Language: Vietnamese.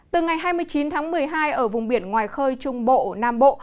từ ngày hai mươi chín tháng một mươi hai ở vùng biển ngoài khơi trung bộ nam bộ